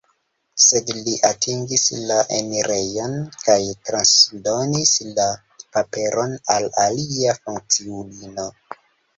Sed li atingis la enirejon kaj transdonis la paperon al alia funkciulino.